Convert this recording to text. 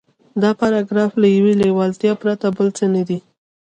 دا پاراګراف له يوې لېوالتیا پرته بل څه نه دی.